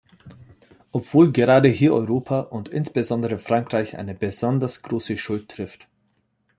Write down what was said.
Obwohl gerade hier Europa und insbesondere Frankreich eine besonders große Schuld trifft.